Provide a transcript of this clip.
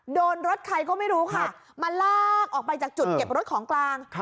โดนรถใครก็ไม่รู้ค่ะมาลากออกไปจากจุดเก็บรถของกลาง